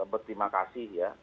berterima kasih ya